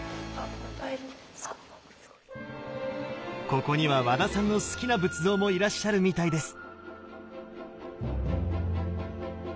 ここには和田さんの好きな仏像もいらっしゃるみたいです！